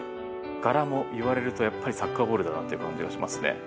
柄もいわれるとやっぱりサッカーボールだなっていう感じがしますね。